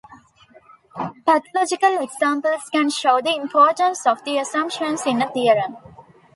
Pathological examples can show the importance of the assumptions in a theorem.